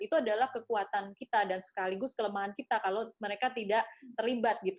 itu adalah kekuatan kita dan sekaligus kelemahan kita kalau mereka tidak terlibat gitu